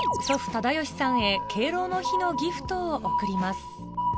忠由さんへ敬老の日のギフトを贈ります